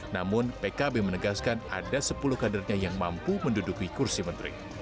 namun pkb menegaskan ada sepuluh kadernya yang mampu menduduki kursi menteri